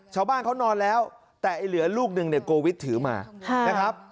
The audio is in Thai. ชาวบ้านเขานอนแล้วแต่ไอ้เหลือลูกหนึ่งเนี่ยโกวิทถือมานะครับ